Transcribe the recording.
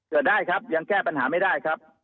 เกิดได้ครับยังแก้ปัญหาไม่ได้ครับ